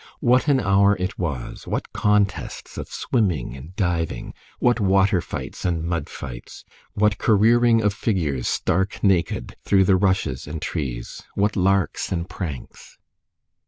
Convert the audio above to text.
What an hour it was! What contests of swimming and diving! What water fights and mud fights! What careering of figures, stark naked, through the rushes and trees! What larks and pranks!